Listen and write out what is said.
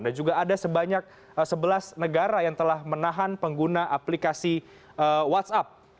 dan juga ada sebelas negara yang telah menahan pengguna aplikasi whatsapp